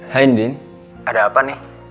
hai ndin ada apa nih